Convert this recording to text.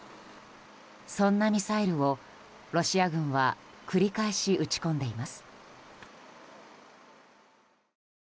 そんなミサイルをロシア軍は繰り返し撃ち込んでいます。